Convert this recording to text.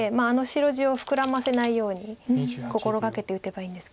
白地を膨らませないように心掛けて打てばいいんですけど。